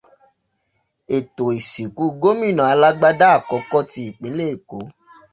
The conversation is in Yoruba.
Ètò ìsìnkú gómìnà alágbádá àkọ́kọ́ ti ìpínlẹ̀ Èkó.